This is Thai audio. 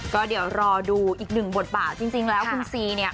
ก็เดี๋ยวรอดูอีกหนึ่งบทบาทจริงแล้วคุณซีเนี่ย